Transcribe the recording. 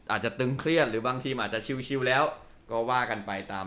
ตึงเครียดหรือบางทีมันอาจจะชิวแล้วก็ว่ากันไปตาม